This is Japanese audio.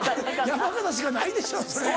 山形しかないでしょそれ。